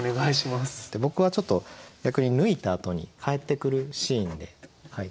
僕はちょっと逆に抜いたあとに帰ってくるシーンで書いてみました。